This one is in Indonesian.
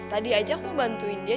tadi aja aku bantuin dia